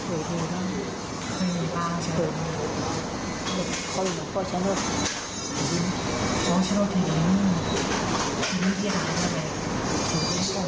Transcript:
อืม